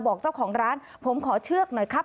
บอกเจ้าของร้านผมขอเชือกหน่อยครับ